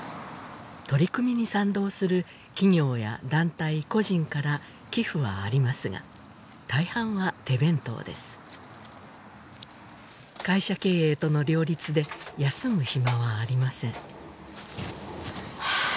取り組みに賛同する企業や団体個人から寄付はありますが大半は手弁当です会社経営との両立で休む暇はありませんああ